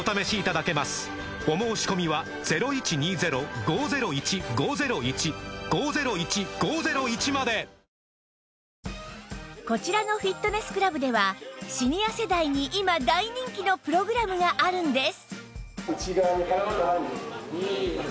お申込みはこちらのフィットネスクラブではシニア世代に今大人気のプログラムがあるんです